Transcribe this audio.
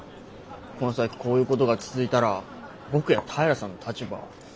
この先こういうことが続いたら僕や平さんの立場は。